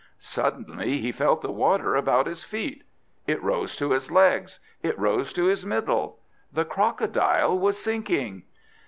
Suddenly he felt the water about his feet! It rose to his legs, it rose to his middle. The Crocodile was sinking!